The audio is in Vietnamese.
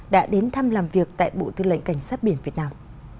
đã đến thăm làm việc tại bộ tư lệnh cảnh sát biển việt nam